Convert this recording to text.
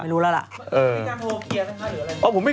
ไม่รู้แล้วล่ะ